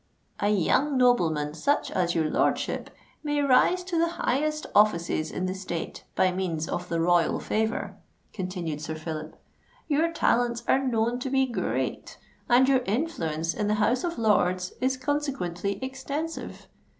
"A young nobleman such as your lordship, may rise to the highest offices in the State by means of the royal favour," continued Sir Phillip. "Your talents are known to be great—and your influence in the House of Lords is consequently extensive.